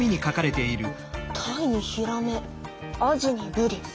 タイにヒラメアジにブリ。